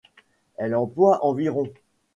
Elle emploie environ.